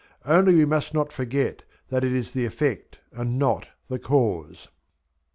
Only we must not forget that it is the effect and not the cause.